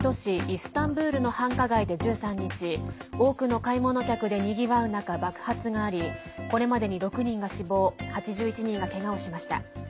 イスタンブールの繁華街で１３日多くの買い物客でにぎわう中爆発がありこれまでに６人が死亡８１人が、けがをしました。